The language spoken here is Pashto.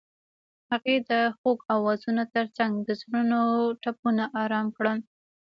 هغې د خوږ اوازونو ترڅنګ د زړونو ټپونه آرام کړل.